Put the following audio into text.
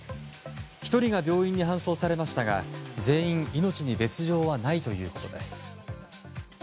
１人が病院に搬送されましたが全員、命に別条はないということです。